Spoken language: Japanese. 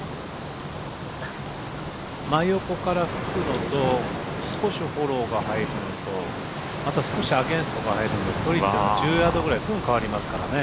真横から吹くのと少しフォローが入るのとあとは少しアゲンストが入るので距離というのは１０ヤードぐらいすぐ変わりますから。